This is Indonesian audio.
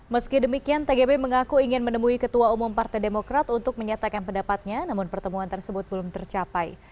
meski demikian tgb mengaku ingin menemui ketua umum partai demokrat untuk menyatakan pendapatnya namun pertemuan tersebut belum tercapai